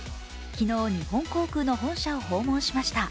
昨日、日本航空の本社を訪問しました。